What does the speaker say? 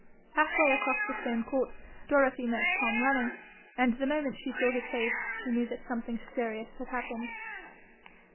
Halfway across the stone court, Dorothy met Tom running, and the moment she saw his face, knew that something serious had happened.